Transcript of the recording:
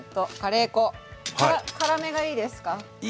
辛めがいいですか？